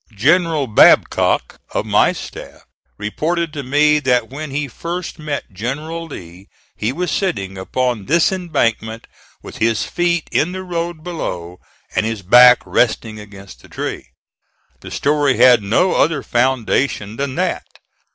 General Babcock, of my staff, reported to me that when he first met General Lee he was sitting upon this embankment with his feet in the road below and his back resting against the tree. The story had no other foundation than that.